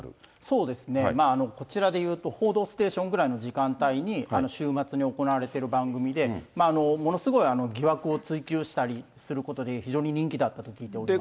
そうですね、こちらでいうと報道ステーションぐらいの時間帯に、週末に行われている番組で、ものすごい疑惑を追及したりすることで、非常に人気だったと聞いております。